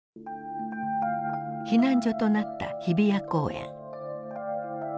避難所となった日比谷公園。